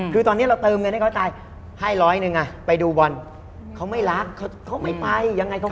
คือตอนนี้เราเติมเงินให้เขาให้ตาย